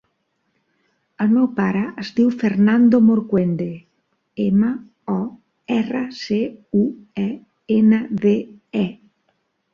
El meu pare es diu Fernando Morcuende: ema, o, erra, ce, u, e, ena, de, e.